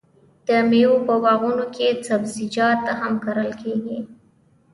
د میوو په باغونو کې سبزیجات هم کرل کیږي.